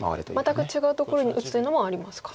全く違うところに打つというのもありますか。